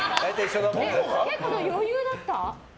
結構、余裕だった？